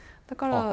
だから。